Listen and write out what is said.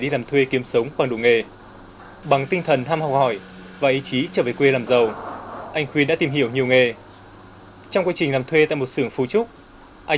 là một trong những trường hợp ấy